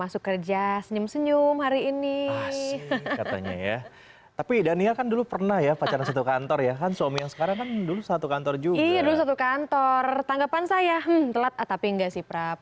sanggapan saya hmm telat tapi enggak sih prap